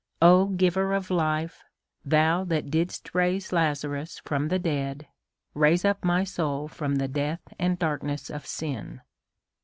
O ! Giver of life, thou that didst raise Lazarus from the dead, raise up my soul from the death and darkness of sin.